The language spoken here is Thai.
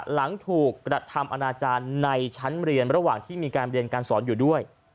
หลังถูกกระทำอนาจารย์ในชั้นเรียนระหว่างที่มีการเรียนการสอนอยู่ด้วย